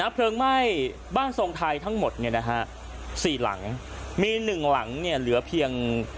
เพลิงไม่บ้านทรงไทยทั้งหมด๔หลังมี๑หลังเนี่ยเหลือเพียง